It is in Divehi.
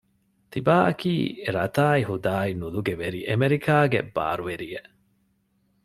ތިބާއަކީ ރަތާއި ހުދާއި ނުލުގެވެރި އެމެރިކާގެ ބާރުވެރިއެއް